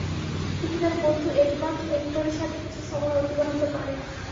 তিনি তার বন্ধু এডমান্ড হেক্টরের সাথে কিছু সময় অতিবাহিত করেন।